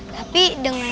tapi dengan nito